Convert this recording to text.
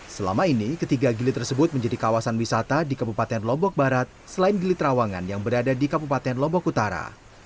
selama ini ketiga gili tersebut menjadi kawasan wisata di kabupaten lombok barat selain gili trawangan yang berada di kabupaten lombok utara